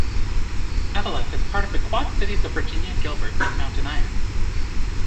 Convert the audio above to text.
Eveleth is part of the Quad Cities of Virginia, Gilbert, and Mountain Iron.